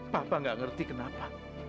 papa gak ngerti kenapa